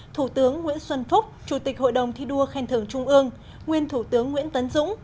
thủ tướng nguyễn xuân phúc chủ tịch hội đồng thi đua khen thưởng trung ương nguyên thủ tướng nguyễn tấn dũng